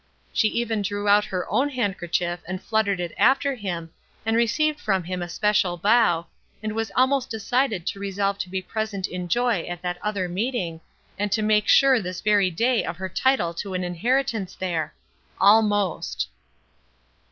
She even drew out her own handkerchief and fluttered it after him, and received from him a special bow, and was almost decided to resolve to be present in joy at that other meeting, and to make sure this very day of her title to an inheritance there. Almost!